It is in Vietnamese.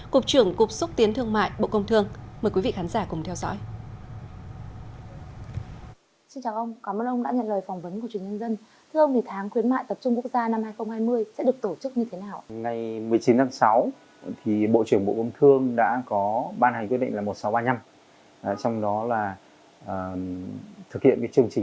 cục trưởng cục xúc tiến thương mại bộ công thương mời quý vị khán giả cùng theo dõi